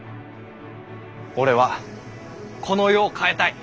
俺はこの世を変えたい。